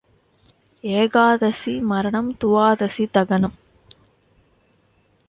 ஏகாதசி மரணம், துவாதசி தகனம்.